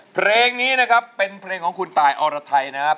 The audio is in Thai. เพลงนี้นะครับเป็นเพลงของคุณตายอรไทยนะครับ